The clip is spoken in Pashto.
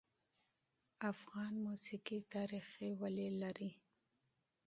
افغان موسیقي تاریخي ريښه لري.